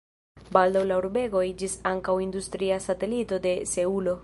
Baldaŭ la urbego iĝis ankaŭ industria satelito de Seulo.